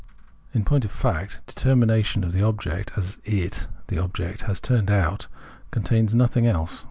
In point of fact the determination of the object^ as it (the object) has turned out, contains nothing else.